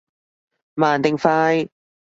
慢定快？